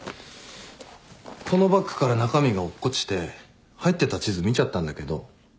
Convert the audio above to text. このバッグから中身が落っこちて入ってた地図見ちゃったんだけど。